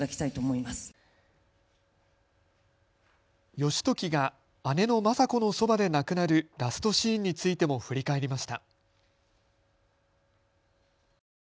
義時が姉の政子のそばで亡くなるラストシーンについても振り返りました。